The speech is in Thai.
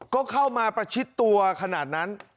ก็เข้ามาประชิดตัวขนาดนั้น